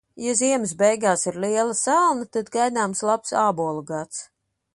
Ja ziemas beigās ir liela salna, tad gaidāms labs ābolu gads.